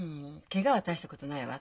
ケガは大したことないわ。